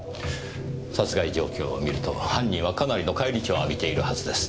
殺害状況をみると犯人はかなりの返り血を浴びているはずです。